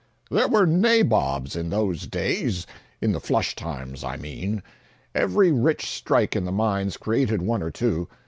There were nabobs in those days—in the "flush times," I mean. Every rich strike in the mines created one or two.